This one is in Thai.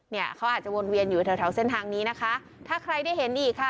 เนี่ยเขาอาจจะวนเวียนอยู่แถวแถวเส้นทางนี้นะคะถ้าใครได้เห็นอีกค่ะ